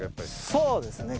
そうですね。